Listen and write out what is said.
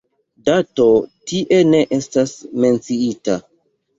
Dato tie ne estas menciita.